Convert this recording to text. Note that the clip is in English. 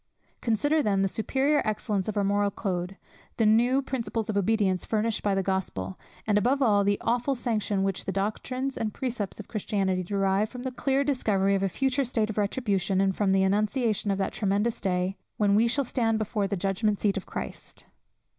Consider then the superior excellence of our moral code, the new principles of obedience furnished by the gospel, and above all, the awful sanction which the doctrines and precepts of Christianity derive from the clear discovery of a future state of retribution, and from the annunciation of that tremendous day, "when we shall stand before the judgment seat of Christ."